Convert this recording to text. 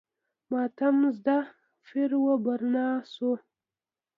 ماتم زده پیر و برنا شو.